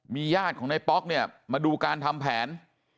ญาติของในป๊อกเนี่ยมาดูการทำแผน